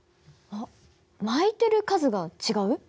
あっ巻いてる数が違う？